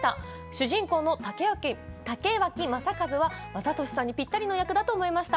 主人公の竹脇正一は雅俊さんにぴったりの役だと思いました。